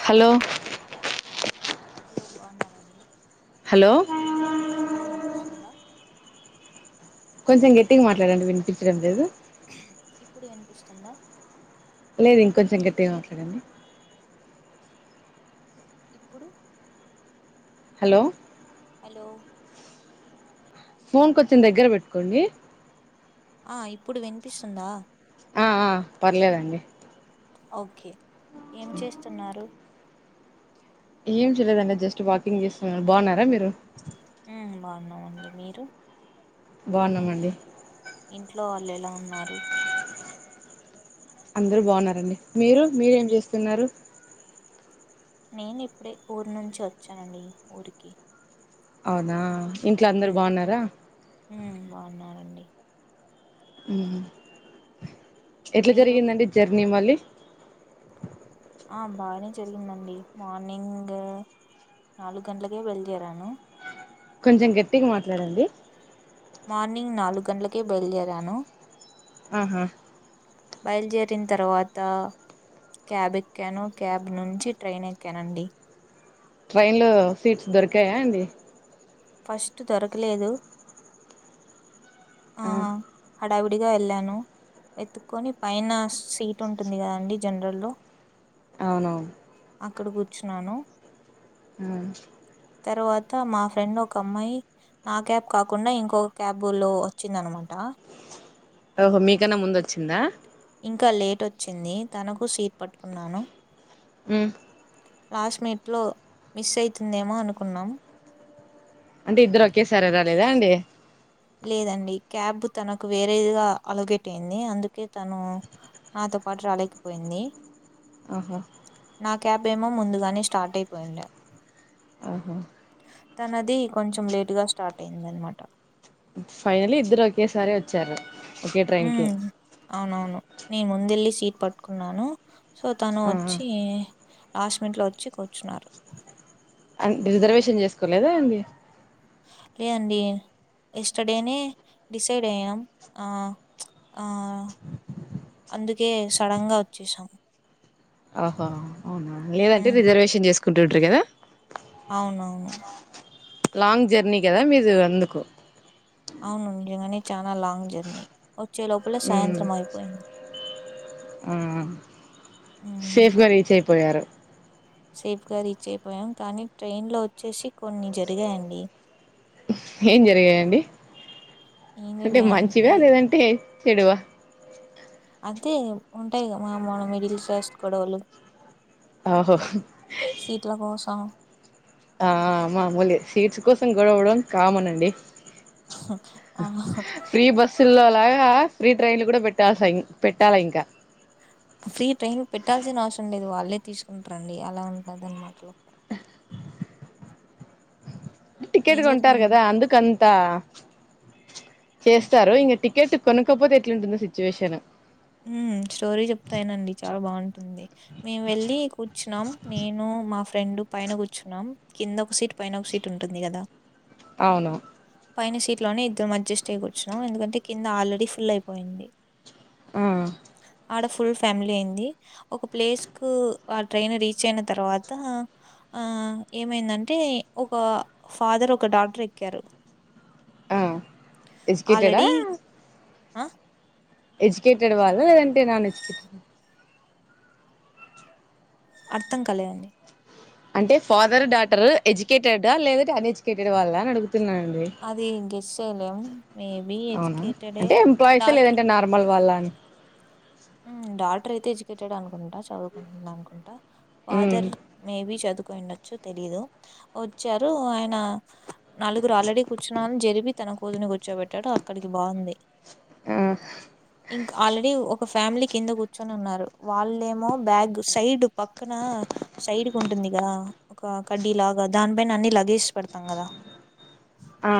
Hello hello బాగున్నారా అండి. Hello hello విన్పిస్తుందా కొంచం గట్టిగా మాట్లాడండి వినిపించడం లేదు. ఇప్పుడు విన్పిస్తుందా లేదు ఇంకొంచెం గట్టిగా మాట్లాడండి. ఇప్పుడు హలో హలో ఫోన్ కొంచం దగ్గర పెట్టుకోండి ఆ ఇప్పుడు వినిపిస్సుందా ఆ ఆ పర్లేదండి ఓకే ఏం చేస్తున్నారు. ఏం చేయలేదండి జస్ట్ వాకింగ్ చేస్తున్న బాగున్నారా మీరు మ్ బాగున్నామండి మీరు బాగున్నామండి. ఇంట్లో వాళ్ళు ఎలా ఉన్నారు. అందరు బాగున్నారండి మీరు మీరేం చేస్తున్నారు. నేనిప్డే ఊర్ నుంచి వచ్చానండి ఊరికి అవునా ఇంట్లో అందరు బాగున్నారా? మ్ బాగున్నారండి మ్ హ్ ఎట్ల మీరు జరిగిందండి జర్ నెమలి ఆ బానే జరిగిందండి మార్నింగ్ నాలుగు గంటలకె బయల్దేరాను కొంచెం గట్టిగా మాట్లాడండి మార్నింగ్ నాలుగు గంటలకే బయల్దేరాను. ఆహా బయల్దేరిన తర్వాత క్యాబ్ ఎక్కాను క్యాబ్ నుంచి ట్రైన్ ఎక్కానండి ట్రైన్లో సీట్స్ దొరికాయా అండి ఫస్ట్ దొర్కలేదు. ఆ హడావిడిగా ఎళ్ళాను వెత్తుకొని పైన సీట్ ఉంటుంది కదా అండి జనరల్లో అవునవు అక్కడ కూర్చున్నాను. మ్ తర్వాత మా ఫ్రెండ్ ఒక అమ్మాయి నా క్యాబ్ కాకుండా ఇంకొక క్యాబులో వచ్చిందన్నమాట ఓహో మీకన్న ముందోచ్చిందా ఇంకా లేట్ వచ్చింది తనకు సీట్ పట్టుకున్నాను. మ్ లాస్ట్ మినిట్లో మిస్ అయితుందేమో అనుకున్నాం. అంటే ఇద్దరు ఒకేసారి రాలేదా అండి లేదండి క్యాబ్ తనకు వేరేదిగా అలొగేట్ అయింది అందుకే తను నాతో పాటు రాలేకపోయింది. ఆహా భీమ ముందుగానే స్టార్ట్ అయిపోయిండు ఆహో తన అది కొంచెం లేటు గా స్టార్ట్ అయింది అనమాట ఫైనలీ ఇద్దరు ఒకేసారి వచ్చారు ఒకే హ ట్రైన్ కి అవునవును నేను ముందెల్లి స్కూల్ ఇ పట్టుకున్నాను సో తను ఆ వచ్చి లాస్ట్ మినిట్ వచ్చి కూర్చున్నారు. అం రిజర్వేషన్ చేసుకోలేదా ఏంది లేదండి ఎస్టర్డేనే డిసైడ్ అయ్యాం ఆ ఆ అందుకే సడన్గా వచ్చేసాం ఓహో అవునా లేదంటే హ్మ్. రిజర్వేషన్ చేస్ [unintelligible] కదా అవునవును. లాంగ్ జర్నీ కదా మీరు అందుకు అవును నిజగానే చాలా లాంగ్ జర్నీ వచ్చే లోపల సాయంత్రం అయిపోయింది. అ సేఫ్ గా రీచ్ అయ్యాం అ పోయారా సేఫ్ గా రీచ్ అయిపోయాం కానీ ట్రైన్లో వచ్చేసి కొన్ని జరిగాయండి ఏం జరిగాయండి ఏం అంటే మంచి జరిగాయంటే గ లేదంటే చేడువా అదే ఉంటాయి కద మన మిడిల్ క్లాస్ గొడవలు ఓహో సీట్లకోసం ఆ మామూలు సీట్స్ కోసం గొడవడం కామనండి ఆ అలాగా ఫ్రీ ట్రైన్లు కూడా పెట్టాలి పెట్టాలా ఇంకా ఫ్రీ ట్రైన్ పెట్టాల్సిన అవసరం లేదు వాళ్ళే తీసుకుంటారండి అలా ఉంటద అనమాటలు టికెట్ ఏం కొంటారు జరిగింది కదా అందు అంతా చేస్తారు ఇంక టికెట్ కొనుక్కపోతే ఎట్లుంటుందో సిచ్యువేషన్ స్టోరీ చెప్తాయనండి చాలా బాగుంటుంది మేము వెళ్ళి కూర్చున్నాం నేను మా ఫ్రెండ్ పైన కూర్చున్నాం కింద ఒక సీట్ పైన ఒక సీట్ ఉంటుంది కదా అవును పైన సీట్లోనే ఇద్దరం అడ్జస్ట్ అయ కూొచ్చుాం ఎందుకంటే కింద ఆల్రెడీ ఫుల్ అయిపోయింది ఆ ఆడ ఫుల్ ఫ్యామిలీ అయింది ఒక ప్లేస్కు ఆ ట్రైన్ రీచ్ అయిన తర్వాత అ ఏమైందంటే ఒక ఫాదర్ ఒక డాక్టర్ ఎక్కారు ఆ ఎజుకేటడా ఆల్రెడీ ఆ ఎడ్యుకేటెడ్ వాళ్లు లేదంటే నాన్ వేజ్ అర్థం కాలేదండి అంటే ఫాదర్ డాటర్ ఎడ్యుకేటెడ్ లేదంటే అన్ ఎడ్యుకేటెడ్ వాళ్ళా అని అడుగుతు అది గెస్ సలం మేబి అవునా ఎజ్యకేటడే అంటే ఎంప్లాయీసా డాక్టర్ లేదంటే నార్మల్ వాళ్ళ అని ఉ డాక్టర్ అయితే ఎడ్యుకేటెడ్ అనుకుంటా చదువుకుంటుందనుకుంటా ఉమ్ ఫాదర్ మే బి చదు ఉనండొచ్చు తెలీదు వచ్చారు ఆయన నలుగురు ఆల్రెడీ కూర్చున్నాని జరిపి తన కూతుని కూర్చోబెట్టండి అక్కడికి బాగుంది ఆ ఇంకా ఆల్రెడీ ఒక ఒక ఫ్యామిలీ కింద కూర్చొని ఉన్నారు వాళ్ళేమో బ్యాగ్ సైడ్ పక్కన సైడ్ క ఉంటుందిగాద ఒక కడ్డీ లాగా దానిపైన అన్ని లగేజ్ పెడతాం కదా ఆ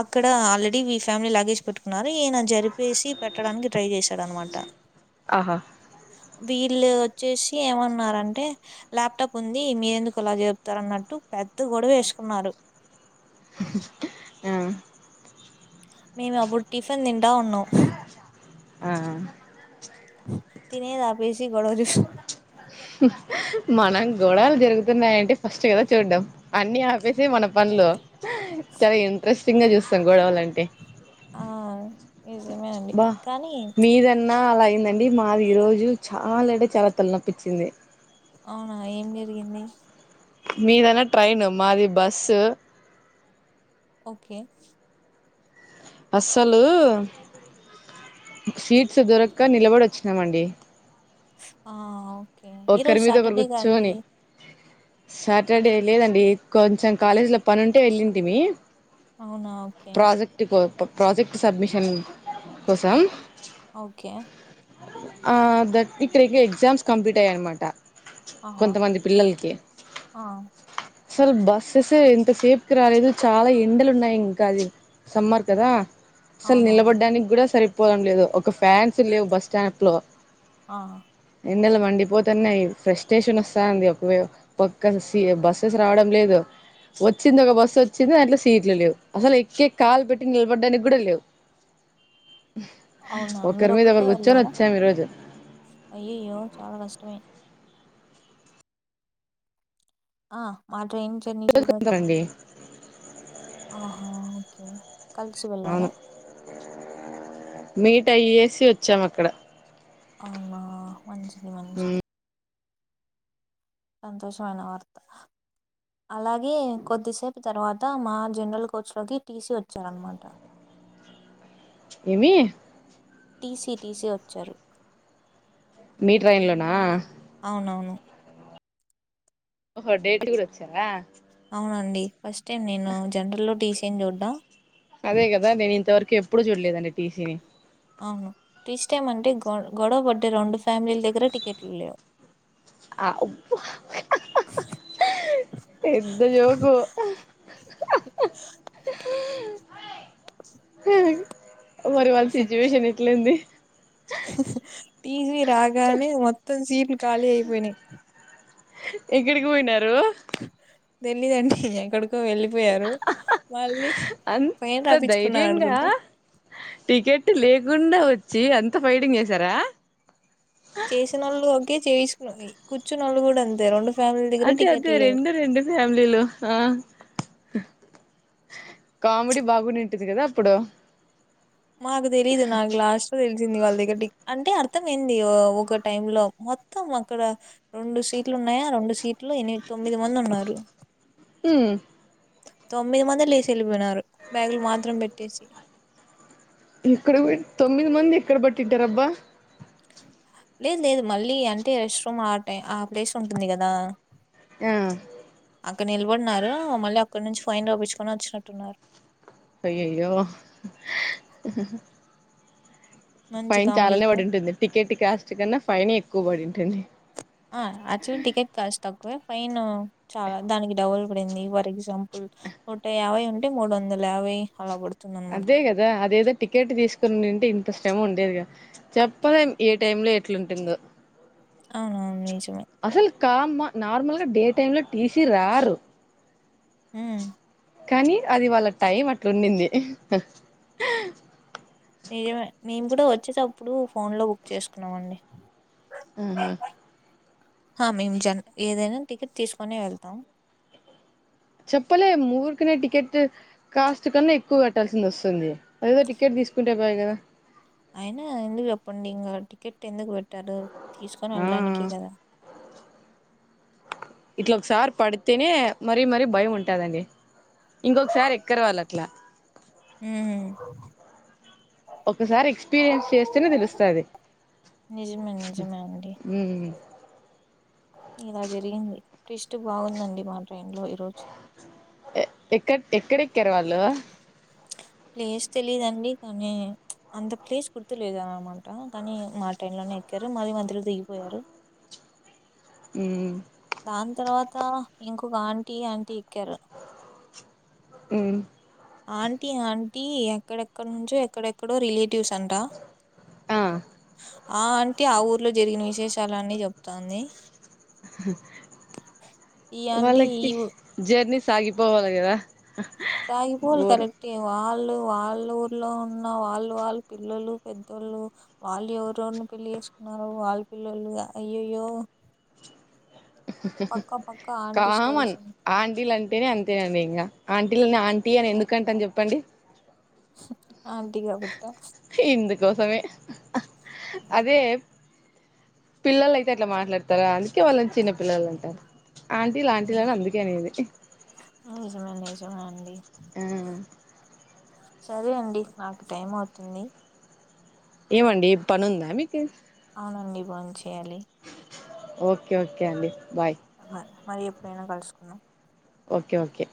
అక్కడ ఆల్రెడీ మీ ఫ్యామిలీ లాగేజ్ పెట్టుకున్నారు ఈయన జరిపేసి పెట్టడానికి ట్రై చేశారు పెడన్ అన్ మాట ఆహా వీళ్ళు చూసి ఏమన్నారంటే ల్యాప్టాప్ ఉంది మీరెందుకు అలా చెపుతార అన్నట్టు పెద్ద గొడవ వేసుకున్నారు ఆ మేము అప్పుడు టిఫిన్ తింటా ఉన్నాం ఆఆ తినేది ఆపేసి గొడవ చేస్తుండు మనం గొడలు జరుగుతున్నాయంటే ఫస్ట్ కదా చూడ్డం అన్ని ఆపేసి మన పనులు చాలా ఇంట్రెస్ట్ సింగా చూస్తాం గొడవలు అంటే ఆ నిజమేనండి బా కానీ మీరన్నా అలాయ అండి మాది ఈ రోజు చాలా అంటే చాలా తలనొప్పి చింది అవునా ఏం జరిగింది మీదన్న ట్రైన్ మాది బస్సు ఓకే అసలు సీట్స్ దొరక్క నిలబడి వచ్చినామండి ఆఆ ఈ ఒకరి రోజు మీద ఒకరు సాటర్డే గా అండి కూర్చొని సాటర్డే లేదండి కొంచెం కాలేజీలో పని ఉంటే వెళ్ళింది మీ అవునా ఓకే ప్రాజెక్ట్ సబ్మిషన్ కోసం ఓకే ఆ ద ఇక్కడకి ఎక్సామ్స్ కంప్లీట్ ఉంటాయి అన్నమాట ఆహా కొంతమంది పిల్లలకి ఆ అసలు బస్సెస్ ఎంతసేపుకిి రాలేదు చాలా ఎండలు ఉన్నాయి ఇంకా అది సమ్మార్ కదా అసలు అవునవును నిలబడ్డానికి కూడా సరి పోవడం లేదు ఒక ఫ్యాన్స్ లేవు బస్ స్టాండ్ లో ఆ ఎన్నెల వండి పోతున్నాయి ఫ్రస్ట్రేషన్ వస్తావుంది ఒక పక్క బస్సెస్ రావడం లేదు వచ్చింది ఒక బస్సు వచ్చింది దాంట్లో సీట్లు లేవు అసలు ఎక్కే కాలు పెట్టి నిలబడ్డానికి కూడా లేవు అవునా ఒకరి మీద మీరొక్కటే ఒకరు కూర్చొని వెళ్ళారా వచ్చాము ఈరోజు అయ్యయ్యో చాలా కష్టమే ఆ మాబ్ ట్రైన్ జర్నీ చూడాలి కొంతమంది ఆహా ఓకే కలిసి వెళ్ళారా అవును మీట్ అయ్యేసి వచ్చాం అక్కడ అవునా మంచిది ఉమ్ మంచిది సంతోషమైన వార్త అలాగే కొద్దిసేపు తర్వాత మా జనరల్ కోచ్లోకి టీసీ వచ్చారనమాట ఏమి టీ సీ టీ సీ వచ్చారు మీ ట్రైన్లోనా అవునవును ఓహో డేట్ కూడా వచ్చారా అవునండి ఫస్ట్ టైం నేను జనరల్ లో టీ సీ ఏం చూడ్డం అదే కదా నేను ఇంతవరు కెప్పుడు చూడలేదండి టీ సీ ని అవును టీస్ టైమ్ అంటే గొ గొడవ బడ్డ రెండు ఫ్యామిలీల దగ్గర టికెట్లు లేవు పెద్ద జోకు మరి వాళ్ళ సిచ్యువేషన్ ఎట్లైంది టీ సీ రాగానే మొత్తం సీట్లు ఖాళీ అయిపోయినాయి ఎక్కడికి పోయినారు తెల్లీదండి ఎక్కడు వెళ్ళిపోయారు మళ్ళీ ఫైన్ అంత ధైర్యంగా రాపిచ్చుకున్నారనుకుంటా టికెట్ లేకుండా వచ్చి అంత ఫైటింగ్ చేశారా చేసినోళ్ళు ఒగే చేస్ కూర్చున్నోళ్ళు కూడా అంతే రెండు ఫ్యామిలీ దగ్గర అదే అదే టికెట్లు లేవు రెండు రెండు ఫ్యామిలీ లు హ కామెడీ బాగువునింటుంది కదా అప్పుడు మాగుదెలీదు నాగు లాస్ట్ [unintelligible] అంటే అర్థం ఏంది ఒ ఒక టైంలో మొత్తం అక్కడ రెండు సీట్లు ఉన్నాయా, ఆ రెండు సీట్లు ఎనిమిది తొమ్మిది మంది ఉన్నారు. ఆ తొమ్మిది మందిలుసి వెళ్ళిపోయినారు బ్యాగులు మాత్రం పెట్టేసి ఇక్కడ తొమ్మిది మంది ఎక్కడ పట్టింటారబ్బా లేదు లేదు మళ్ళీ అంటే రెస్ట్ రూమ్ ఆ ప్లేస్ ఉంటుంది కదా ఆ అక్కడ నిలబడినారు మళ్ళీ అక్కడి నుంచి ఫైన్ రాపిచ్చుకొని వచ్చినట్టున్నారు అయ్యయ్యో మంచి ఫైన్ చాలానే కామెడీ పడింటుంది పి కెట్ కాస్ట్ కన్నా ఫైనే ఎక్కువ పడింటుంది ఆ అచు టికెట్ కాష్ట్ త క్కువే ఫైన్ చాలా దానికి డబుల్ పడింది ఫర్ ఎగ్జాంపుల్ నూట యాభై ఉంటే మూడు వందల యాభై అలా పడు అదే కదా అదేదో టికెట్ తీసుకొనివునింటే ఇంత శ్రమ ఉండేదిగా చెప్పలేం ఏ టైం లో ఎట్లుంటుందో అవునువును నజు అసలు కామ్మా నార్మల్గా డే టైమ్ లో టీసీ రారు ఆ కానీ అది వాళ్ళ టైం అట్లాండింది మీరేమ మేము కూడా వచ్చేటప్పుడు ఫోన్ లో బుక్ చేసుకున్నామండి ఆహా మేము జన్ ఏదైనా టికెట్ తీసుకుొని వెళ్తాం చెప్పలే ఊరికినే టికెట్ కాస్ట్ కన్నా ఎక్కువ కట్టాల్సి వస్తుంది ఏదదో టికెట్ తీసుకుంటే పోయి కదా అయినా ఎందుకు చెప్పండి టికెట్ ఎందుకు పెట్ ట్టారు తీసుకొని ఆ వెళ్డానికి కదా ఇట్లా ఒకసారి పడితేనే మరీ మరీ భయం ఉంటుందండి ఇంకొకసారి ఎక్కర వాళ్ళు అట్లా హ ఒకసారి ఎక్స్పీరియన్స్ చేస్తేనే తెలుస్తుంది నిజమే నిజమే అండి ఇలా జరిగింది క్రిస్ట్ బాగుందండి మా ట్రైన్ లో ఈరోజు ఎక్క ఎక్కడెక్కారు వాళ్ళు ప్లేస్ తెలీదండి కానీ అంత ప్లేస్ గుర్తు లేదు అనమాట కానీ మా ట్రైన్ లోనే ఎక్కారు మళ్ళీ మధ్యలో దిగిపోయారు హ్మ్ దాని తర్వాత ఇంకొక ఆంటీ ఆంటీ ఎక్కారు. హ్మ్ ఆంటీ ఆంటీ ఎక్కడెక్కడ నుంచో ఎక్కడెక్కడో రిలే టివ్స్ అంట ఆ ఆ అంటీ ఆ ఊర్లో జరిగిన విశేషాలన్నీ చెప్తాంది ఈ ఆంటీ వాళ్ళకి ఈ ఊ జర్నీ సాగిపోవాలి గద సాగిపోవాలి కరెక్టే వాళ్ళు వాళ్ళ ఊర్లో ఉన్న వాళ్ళు వాళ్ళ పిల్లలు పెద్దోళ్ళు వాళ్ళు ఎవరెవరిని పెళ్ళ చేసుకున్నారు వాళ్ళ పిల్లళు అయ్యోయ్యో ఆంటీ కామ స్టోరీస్ ఆంటీలు అంటేనే అంతే అండి ఇంకా ఆంటీలనే టీ అని ఎందుకంట అని చెప్పండి స ఇందుకోసమే అదే పిల్లల అయితే అట్లా మాట్లాడతారా అందుకే వాళ్ళని చిన్న పిల్లలు అంటారు ఆంటీ ఆంటీలని అందుకే అనేది ఆ అండి ఆ సరే అండి నాకు టైం అవుతుంది ఏమండి పని ఉందా మీకు అవునండి భోంచేయాలి ఓకే ఓకే అండి బాయ్ అ మరి ఎప్పుడైనా కలుసుకుందాం ఓకే ఓకే